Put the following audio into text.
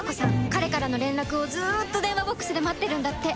彼からの連絡をずーっと電話ボックスで待ってるんだって。